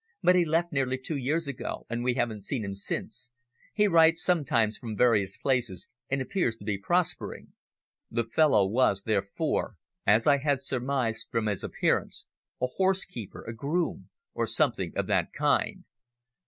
"But he left nearly two years ago, and we haven't seen him since. He writes sometimes from various places and appears to be prospering." The fellow was, therefore, as I had surmised from his appearance, a horsekeeper, a groom, or something of that kind.